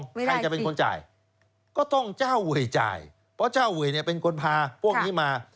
ใครจะเป็นคนจ่ายก็ต้องเจ้าเวยจ่ายเพราะเจ้าเวยเนี่ยเป็นคนพาพวกนี้มา